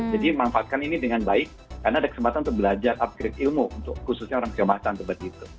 jadi manfaatkan ini dengan baik karena ada kesempatan untuk belajar upgrade ilmu untuk khususnya orang siomacan seperti itu